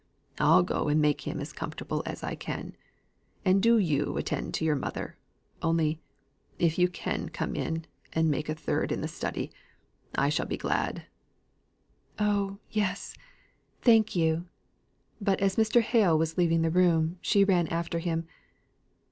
I'll go and make him as comfortable as I can, and do you attend to your mother. Only, if you can come in and make a third in the study, I shall be glad." "Oh, yes thank you." But as Mr. Hale was leaving the room, she ran after him.